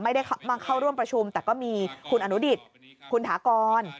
ไม่ได้มาเข้าร่วมประชุมแต่ก็มีคุณอนุดิตคุณถากร